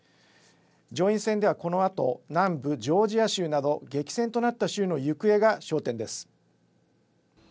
上院選ではこのあと南部ジョージア州など激戦となった州の行方が焦点です。